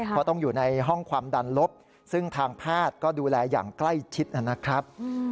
เพราะต้องอยู่ในห้องความดันลบซึ่งทางแพทย์ก็ดูแลอย่างใกล้ชิดนะครับ